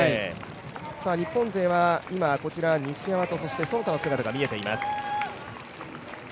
日本勢は西山、其田の姿が見えています。